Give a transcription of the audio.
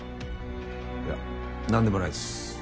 いやなんでもないです。